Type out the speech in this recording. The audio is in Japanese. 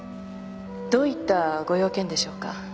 どういったご用件でしょうか？